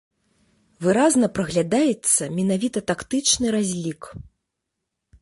Выразна праглядаецца менавіта тактычны разлік.